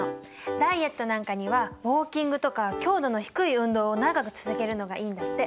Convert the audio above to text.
ダイエットなんかにはウォーキングとか強度の低い運動を長く続けるのがいいんだって。